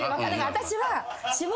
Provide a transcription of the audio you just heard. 私は。